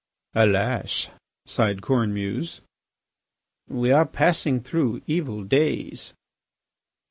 "Alas!" sighed Cornemuse. "We are passing through evil days.